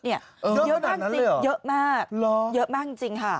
เยอะมากจริงเยอะมากเยอะมากจริงค่ะ